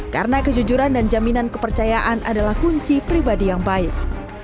karena kejujuran dan jaminan kepercayaan adalah kunci pribadi yang baik